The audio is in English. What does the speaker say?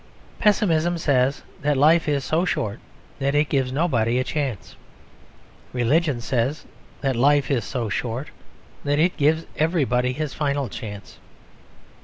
Pessimism says that life is so short that it gives nobody a chance; religion says that life is so short that it gives everybody his final chance.